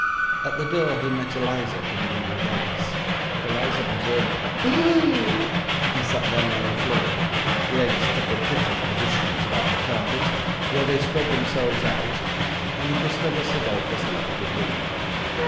At the door he met Eliza coming in with eggs. Eliza observed "Ugh!" and sat down on the floor, the eggs took up different positions about the carpet, where they spread themselves out, and Gustavus Adolphus left the room.